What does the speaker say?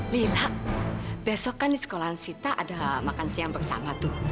lila besok kan di sekolahan sita ada makan siang bersama tuh